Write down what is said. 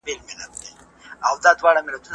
که چا وويل زما حرام خوښ دي، نو کافر سو